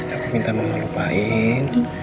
aku minta mama lupain